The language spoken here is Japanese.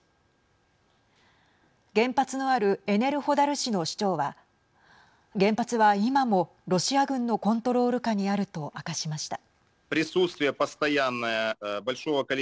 原発のあるエネルホダル市の市長は原発は、今もロシア軍のコントロール下にあると明かしました。